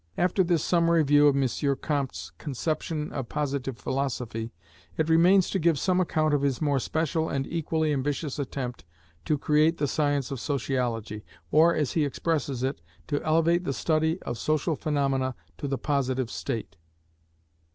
After this summary view of M. Comte's conception of Positive Philosophy, it remains to give some account of his more special and equally ambitious attempt to create the Science of Sociology, or, as he expresses it, to elevate the study of social phaenomena to the positive state.